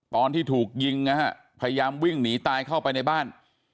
ตอนที่ถูกยิงนะฮะพยายามวิ่งหนีตายเข้าไปในบ้าน